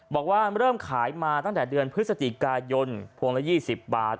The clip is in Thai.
บอกว่าเริ่มขายมาตั้งแต่เดือนพฤศจิกายนพวงละ๒๐บาท